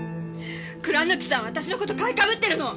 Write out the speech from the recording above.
倉貫さんは私の事買いかぶってるの。